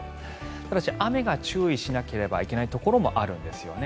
ただし、雨に注意しなければいけないところもあるんですね。